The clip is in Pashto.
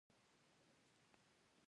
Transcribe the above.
آیا رنګین کالي د ښځو لپاره نه دي؟